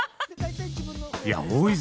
いや大泉！